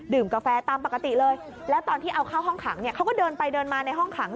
กาแฟตามปกติเลยแล้วตอนที่เอาเข้าห้องขังเนี่ยเขาก็เดินไปเดินมาในห้องขัง